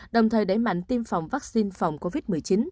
đồng thời đẩy mạnh tiêm phòng vaccine phòng covid một mươi chín